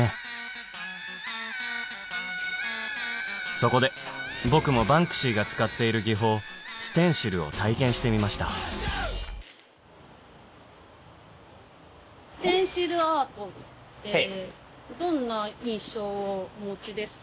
そこで僕もバンクシーが使っている技法ステンシルを体験してみましたはい。